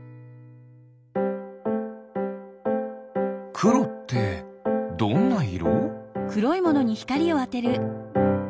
くろってどんないろ？